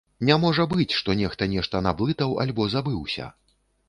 Не можа быць, што нехта нешта наблытаў альбо забыўся.